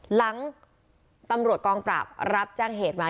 หลังตำรวจกองปราบรับแจ้งเหตุมา